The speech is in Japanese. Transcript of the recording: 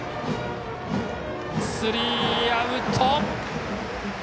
スリーアウト。